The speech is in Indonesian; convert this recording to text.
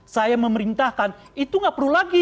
saya memerintahkan itu nggak perlu lagi